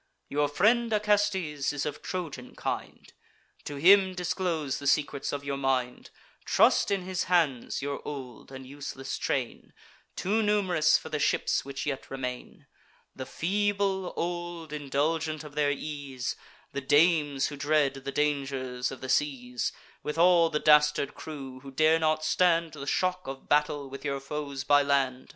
Your friend Acestes is of Trojan kind; To him disclose the secrets of your mind: Trust in his hands your old and useless train; Too num'rous for the ships which yet remain: The feeble, old, indulgent of their ease, The dames who dread the dangers of the seas, With all the dastard crew, who dare not stand The shock of battle with your foes by land.